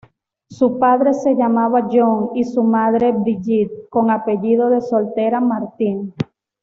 Su padre se llamaba John y su madre Bridget, con apellido de soltera Martin.